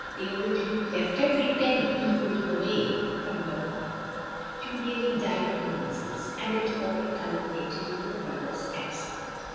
The old Duke left every penny he could away from your father; you nearly died of the measles; and it all culmin ated in your brother's accident.